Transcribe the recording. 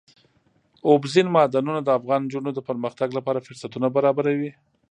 اوبزین معدنونه د افغان نجونو د پرمختګ لپاره فرصتونه برابروي.